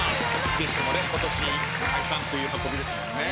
ＢｉＳＨもね今年解散という運びですもんね。